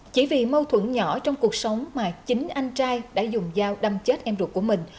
chỉ vì mâu thuẫn nhỏ trong cuộc sống mà chính anh trai đã dùng dao đâm chết em ruột của mình